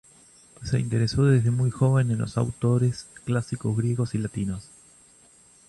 Se interesó desde muy joven en los autores clásicos griegos y latinos.